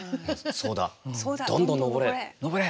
「そうだ、どんどんのぼれ」！